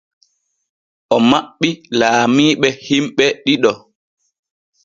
O maɓɓi laamiiɓe hiɓɓe ɗiɗo.